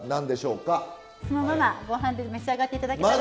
そのままご飯で召し上がって頂けたらと思います。